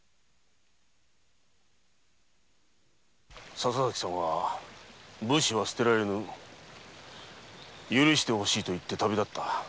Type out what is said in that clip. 笹崎さんは「武士は捨てられぬ。許してほしい」と言って旅立った。